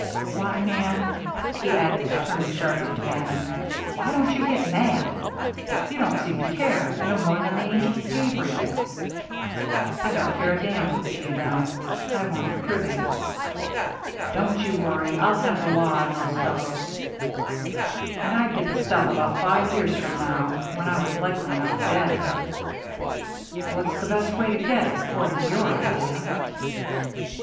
Why, man," he added, turning sharply to Bannon, "why don't you get mad? You don't seem to care no more than the angel Gabriel." [Illustration: HE ... CURSED THE WHOLE G. & M. SYSTEM, FROM THE TIES UP] "I don't care a damn for the G. & M. I want the cribbing." "Don't you worry. I'll have the law on those fellows " "And I'd get the stuff about five years from now, when I was likely enough dead." "What's the best way to get it, according to your idea?"